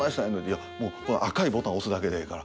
いやもうこの赤いボタン押すだけでええから。